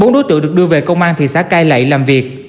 bốn đối tượng được đưa về công an thì xã cai lệ làm việc